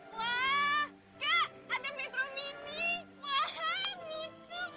mobil banyak ya